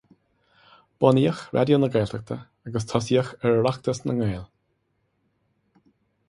Bunaíodh Raidió na Gaeltachta agus tosaíodh ar Oireachtas na nGael.